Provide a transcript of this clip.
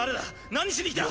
何しに来た！